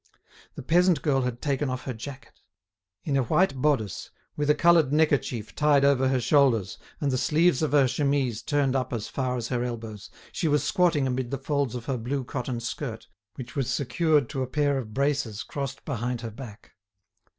The peasant girl had taken off her jacket. In a white bodice, with a coloured neckerchief tied over her shoulders, and the sleeves of her chemise turned up as far as her elbows, she was squatting amid the folds of her blue cotton skirt, which was secured to a pair of braces crossed behind her back.